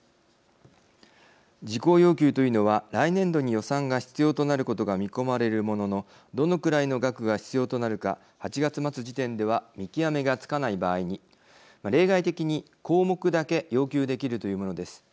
事項要求というのは来年度に予算が必要となることが見込まれるもののどのくらいの額が必要となるか８月末時点では見極めがつかない場合に例外的に項目だけ要求できるというものです。